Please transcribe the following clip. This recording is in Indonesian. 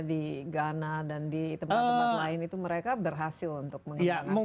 di ghana dan di tempat tempat lain itu mereka berhasil untuk mengembangkan